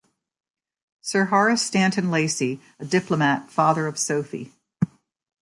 Sir Horace Stanton-Lacy - a diplomat, father of Sophy.